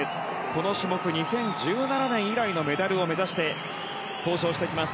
この種目、２０１７年以来のメダルを目指して登場してきます。